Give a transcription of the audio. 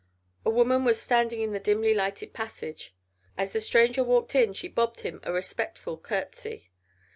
A woman was standing in the dimly lighted passage. As the stranger walked in she bobbed him a respectful curtsey.